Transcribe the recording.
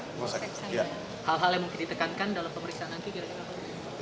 hal hal yang mungkin ditekankan dalam pemeriksaan nanti